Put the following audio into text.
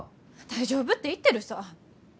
大丈夫って言ってるさぁ。